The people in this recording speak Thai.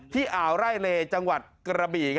ที่อาวใร่เลจังหวัดกระบี